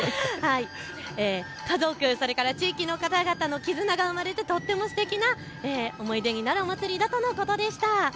家族、それから地域の方々の絆が生まれてとってもすてきな思い出になるお祭りだとのことでした。